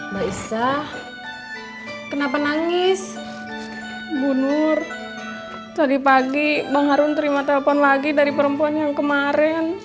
bisa kenapa nangis bunur tadi pagi bang harun terima telepon lagi dari perempuan yang kemarin